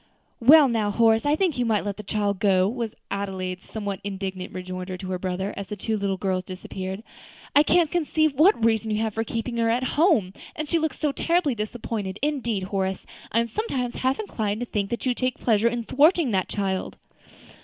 "Well now, Horace, I think you might let the child go," was Adelaide's somewhat indignant rejoinder to her brother, as the two little girls disappeared; "I can't conceive what reason you can have for keeping her at home, and she looks so terribly disappointed. Indeed, Horace, I am sometimes half inclined to think you take pleasure in thwarting that child."